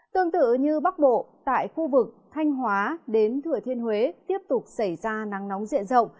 tương tự như bắc bộ tại khu vực thanh hóa đến thừa thiên huế tiếp tục xảy ra nắng nóng diện rộng